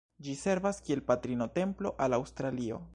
Ĝi servas kiel "Patrino-Templo" al Aŭstralio.